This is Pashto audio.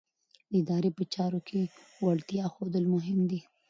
د ادارې په چارو کې د وړتیا ښودل مهم دي.